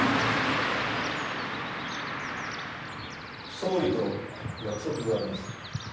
・総理と約束があります。